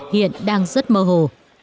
hiện đang rất mơ hồ